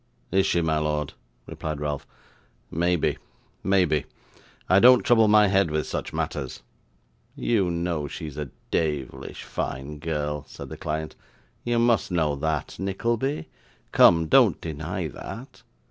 'Is she, my lord?' replied Ralph. 'Maybe maybe I don't trouble my head with such matters.' 'You know she's a deyvlish fine girl,' said the client. 'You must know that, Nickleby. Come, don't deny that.